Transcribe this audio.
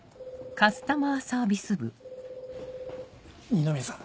二宮さん